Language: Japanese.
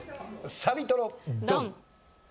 サビトロドン！